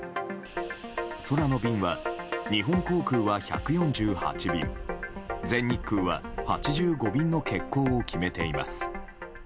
空の便は、日本航空は１４８便全日空は８５便の欠航を決めています。